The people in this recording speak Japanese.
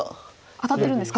アタってるんですか。